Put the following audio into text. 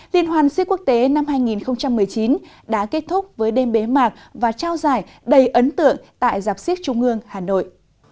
liên hoàn siếc quốc tế năm hai nghìn một mươi chín đã kết thúc với đêm bế mạc và trao giải đầy ấn tượng tại giạp siếc trung ương hà nội